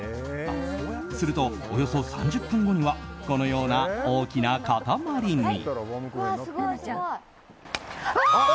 すると、およそ３０分後にはこのような大きな塊に。